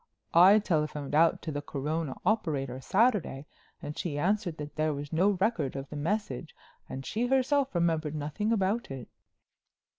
I telephoned out to the Corona operator Saturday and she answered that there was no record of the message and she herself remembered nothing about it."